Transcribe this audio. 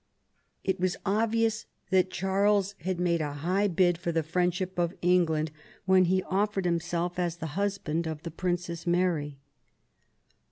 It was obvious that Charles had made a high bid for the friendship of England when he offered himself as the husband of the Princess Mary.